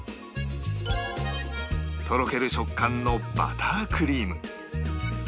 とろける食感のバタークリーム